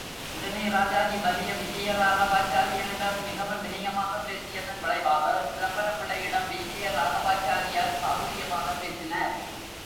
உடனே ராஜாஜி வலிய விசயராகவாச்சாரியாரிடம் மிகவும் விநயமாகப் பேசியதன் விளைவாக, சிதம்பரம் பிள்ளையிடம் விஜயராகவாச்சாரியார் சாதுர்யமாகப் பேசினார்.